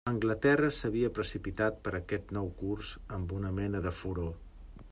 Anglaterra s'havia precipitat per aquest nou curs amb una mena de furor.